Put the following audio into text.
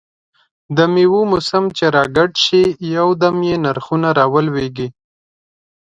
دمېوو موسم چې را ګډ شي، یو دم یې نرخونه را ولوېږي.